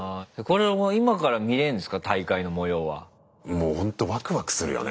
もうほんとワクワクするよね。